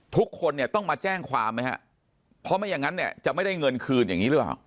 ทุกคนเนี่ยต้องมาแจ้งความไหมฮะเพราะไม่อย่างนั้นเนี่ยจะไม่ได้เงินคืนอย่างนี้หรือเปล่า